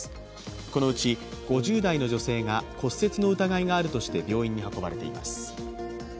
このうち、５０代の女性が骨折の疑いがあるとして病院に運ばれています。